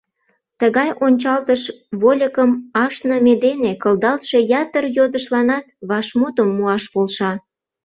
Тыгай ончалтыш вольыкым ашныме дене кылдалтше ятыр йодышланат вашмутым муаш полша.